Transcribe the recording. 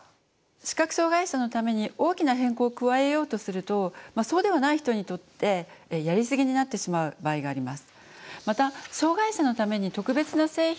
視覚障害者のために大きな変更を加えようとするとそうではない人にとってやりすぎになってしまう場合があります。